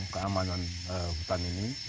keamanan hutan ini